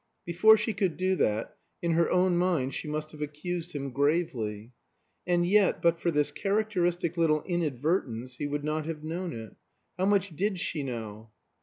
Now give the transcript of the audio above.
Before she could do that, in her own mind she must have accused him gravely. And yet, but for this characteristic little inadvertence, he would never have known it. How much did she know?